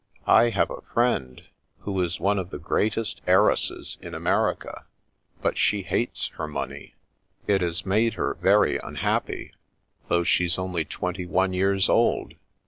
I have a friend who is one of the greatest heiresses in America, but she hates her money. It has made her very un 28 The Princess Passes happy, though she's only twenty one years old.